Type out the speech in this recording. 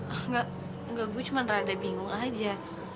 oh enggak enggak gue cuman rada bingung saja